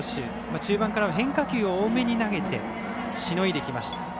中盤からは変化球を多めに投げてしのいできました。